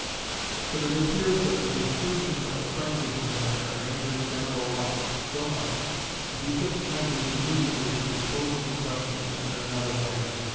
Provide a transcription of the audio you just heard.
"But it appears that the intrusion of the French into the matter angered General Luk so much that he took measures immediately to dispose of the question in another way.